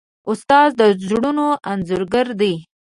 استاد د زړونو انځورګر دی.